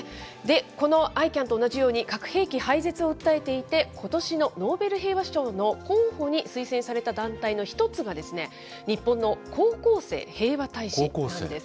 このＩＣＡＮと同じように、核兵器廃絶を訴えていて、ことしのノーベル平和賞の候補に推薦された団体の一つが、日本の高校生平和大使なんです。